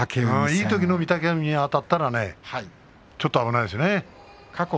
いいときの御嶽海にあたったらちょっと危ないですね。